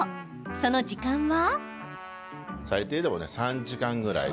その時間は。